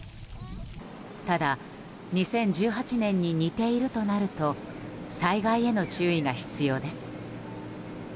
ただ、２０１８年に似ているとなると災害への注意が必要です。